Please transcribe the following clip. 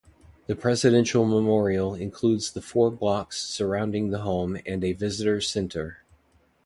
The presidential memorial includes the four blocks surrounding the home and a visitor center.